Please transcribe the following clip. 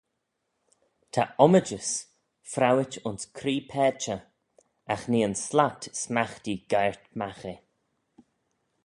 Ta ommijys fraueit ayns cree paitchey: agh nee yn slat smaghtee geiyrt magh eh.